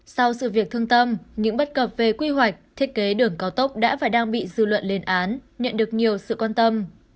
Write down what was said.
sau sự việc thương tâm những bất cập về quy hoạch thiết kế đường cao tốc đã và đang bị dư luận lên án nhận được nhiều sự quan tâm